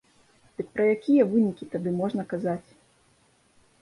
Дык пра якія вынікі тады можна казаць?